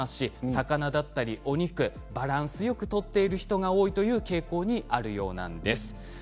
魚だったり、お肉バランスよくとっている人が多いという傾向にあるようです。